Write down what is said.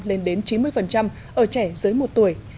lên đến chín mươi ở trẻ dưới một tuổi